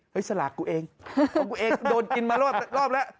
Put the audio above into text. เฮ้ยสลากกูเองสลากกูเองโดนกินมารอบแล้ว